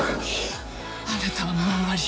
あなたはもう終わり。